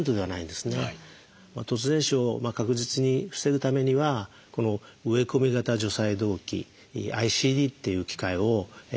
突然死を確実に防ぐためには植込み型除細動器ＩＣＤっていう機械を植え込む必要があります。